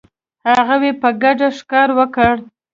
هغوی په ګډه ښکار وکړ.